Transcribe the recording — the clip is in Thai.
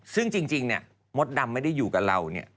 ซึ่งจริงมดดำไม่ได้อยู่กับเรา